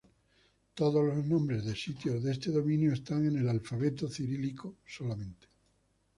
Todos los nombres de sitios en este dominio están en el alfabeto cirílico solamente.